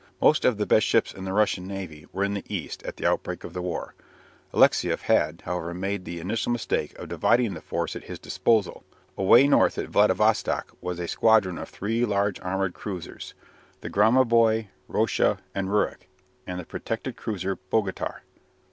Most of the best ships in the Russian navy were in the East at the outbreak of the war. Alexieff had, however, made the initial mistake of dividing the force at his disposal. Away north at Vladivostock was a squadron of three large armoured cruisers, the "Gromoboi," "Rossia," and "Rurik," and the protected cruiser "Bogatyr."